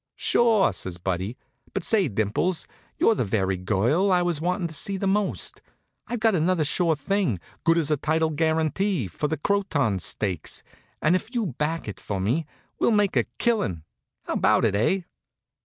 "Sure," says Buddy. "But say, Dimples, you're the very girl I was wanting to see most. I've got another sure thing, good as a title guarantee, for the Croton stakes, and if you'll back it for me we'll make a killing. How about it, eh?"